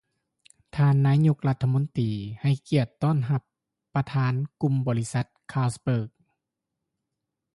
ທ່ານນາຍົກລັດຖະມົນຕີ ໃຫ້ກຽດຕ້ອນຮັບປະທານກຸ່ມບໍລິສັດຄາສເບີກ